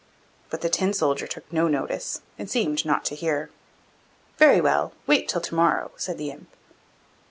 But the Tin soldier took no notice, and seemed not to hear. 'Very well, wait till to morrow!' said the imp.